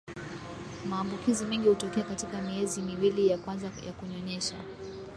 Maambukizi mengi hutokea katika miezi miwili ya kwanza ya kunyonyesha